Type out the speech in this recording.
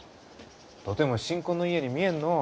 とても新婚の家に見えんのう。